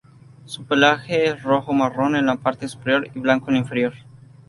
Su pelaje es rojo-marrón en la parte superior y blanco en la inferior.